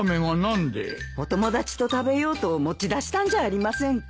お友達と食べようと持ち出したんじゃありませんか？